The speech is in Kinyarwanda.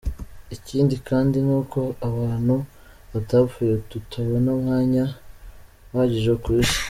Ikindi kandi ni uko abantu badapfuye tutabona umwanya uhagije ku isi.